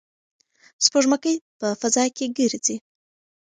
سپوږمکۍ په فضا کې ګرځي.